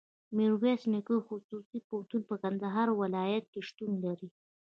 ميرویس نيکه خصوصي پوهنتون په کندهار ولایت کي شتون لري.